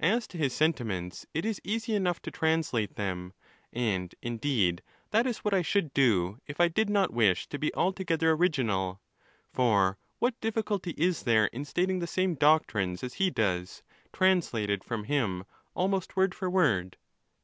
As to his sentiments, it is easy enough to translate them, and, indeed, that is what I should do if | did not wish to be altogether original. For what diffi culty is there in stating the same doctrines as he does, trans lated from him almost word for word